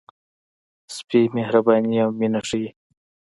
سپي مهرباني او مینه ښيي.